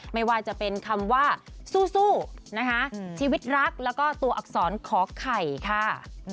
ไม่ว่าจะเป็นคำว่าสู้นะคะชีวิตรักแล้วก็ตัวอักษรขอไข่ค่ะ